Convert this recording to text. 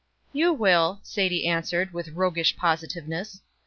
"You will," Sadie answered, with roguish positiveness.